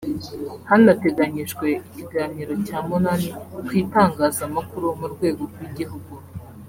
hanateganyijwe ikiganiro cya munani ku itangazamakuru mu rwego rw’igihugu